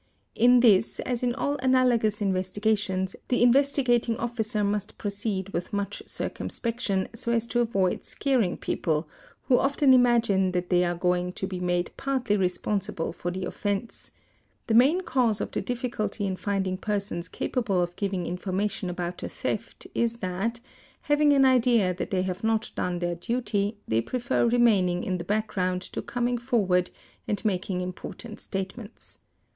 fi In this as in all analogous investigations the Investigating Officer must proceed with much circumspection so as to avoid scaring people, who often imagine they are going to be made partly responsible for the offence; the main cause of the difficulty in finding persons capable of giving information about a theft is that, having an idea that they have not done their duty, they prefer remaining in the background to coming forward and making important statements.